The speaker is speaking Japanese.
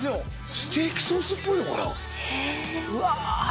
ステーキソースっぽいのかな？